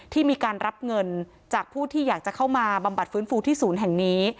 ที่มีการรับเงินจากผู้ที่อยากจะเข้ามาบำบัดฟื้นฟูที่ศูนย์แห่งนี้